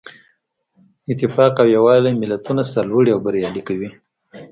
اتفاق او یووالی ملتونه سرلوړي او بریالي کوي.